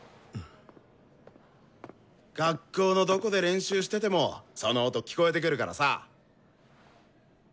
学校のどこで練習しててもその音聴こえてくるからさ。